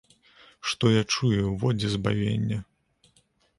Што я чую, во дзе збавенне.